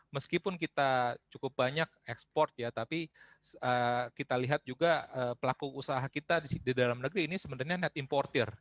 meskipun kita cukup banyak ekspor ya tapi kita lihat juga pelaku usaha kita di dalam negeri ini sebenarnya net importer